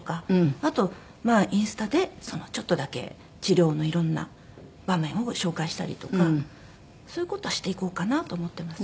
あとまあインスタでちょっとだけ治療のいろんな場面を紹介したりとかそういう事はしていこうかなと思ってます。